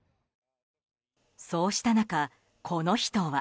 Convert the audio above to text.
そうした中、この人は。